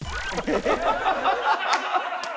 ハハハハ！